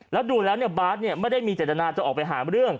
แล้วดูแล้วบ้านไม่ได้มีจัดนาจะออกไปหาเรื่อง